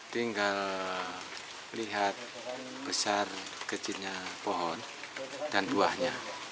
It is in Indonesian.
tinggal lihat besar kecilnya pohon dan buahnya